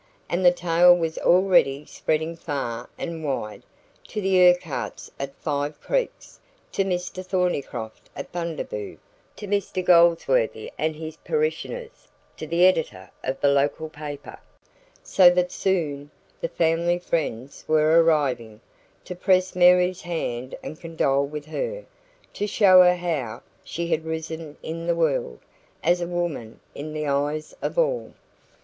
And the tale was already spreading far and wide to the Urquharts at Five Creeks, to Mr Thornycroft at Bundaboo, to Mr Goldsworthy and his parishioners, to the editor of the local paper so that soon the family friends were arriving, to press Mary's hand and condole with her to show her how she had risen in the world, as a woman in the eyes of all.